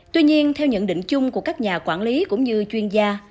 tuy nhiên theo nhận định chung của các nhà quản lý cũng như chuyên gia